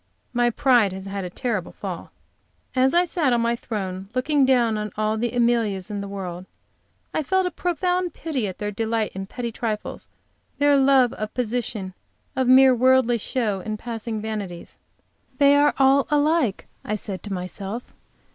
My pride has had a terrible fall. As I sat on my throne, looking down on all the Amelias in the world, I felt a profound pity at their delight in petty trifles, their love of position, of mere worldly show and passing vanities. "They are all alike," I said to myself.